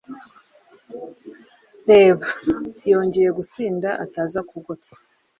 Reba. Yongeye gusinda ataza kugotwa